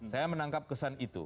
saya menangkap kesan itu